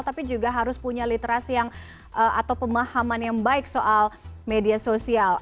tapi juga harus punya literasi yang atau pemahaman yang baik soal media sosial